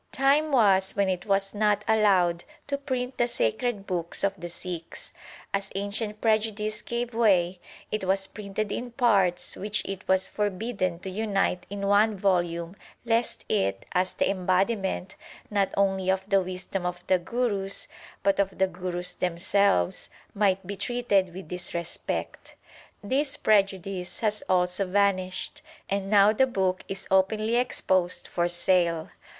Time was when it was not allowed to print the sacred book of the Sikhs. As ancient prejudice gave way, it was printed in parts which it was forbidden to unite in one volume lest it, as the embodiment not only of the wisdom of the Gurus, but of the Gurus themselves, might be treated with disrespect This prejudice has also vanished, and now the book is openly exposed for sale.